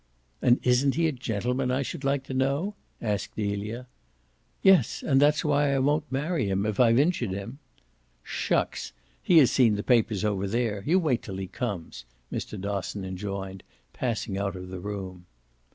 "And isn't he a gentleman, I should like to know?" asked Delia. "Yes, and that's why I won't marry him if I've injured him." "Shucks! he has seen the papers over there. You wait till he comes," Mr. Dosson enjoined, passing out of the room.